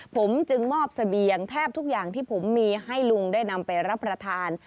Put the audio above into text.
ผมจึงมอบเสบียงแทบทุกอย่างที่ผมมีให้ลุงได้นำไปรับประทาน